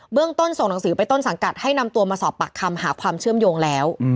เรื่องต้นส่งหนังสือไปต้นสังกัดให้นำตัวมาสอบปากคำหาความเชื่อมโยงแล้ว